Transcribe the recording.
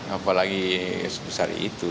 apalagi sebesar itu